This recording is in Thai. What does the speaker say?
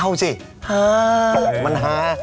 เอาสิมันฮา